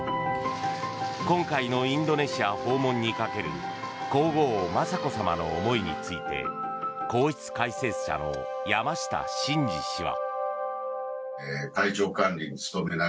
今回のインドネシア訪問にかける皇后・雅子さまの思いについて皇室解説者の山下晋司氏は。